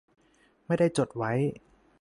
ไม่ได้จดไว้